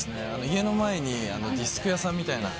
家の前にディスク屋さんみたいな。